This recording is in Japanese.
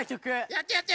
やってやって。